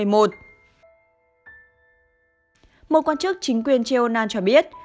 một quan chức chính quyền jeonan cho biết